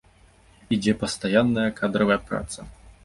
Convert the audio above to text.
Ідзе пастаянная кадравая праца.